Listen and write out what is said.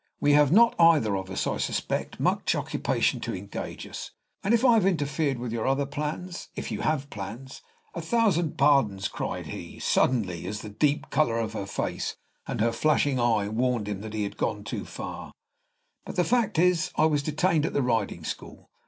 "We have not either of us, I suspect, much occupation to engage us; and if I have interfered with your other plans if you have plans A thousand pardons!" cried he, suddenly, as the deep color of her face and her flashing eye warned him that he had gone too far; "but the fact is, I was detained at the riding school.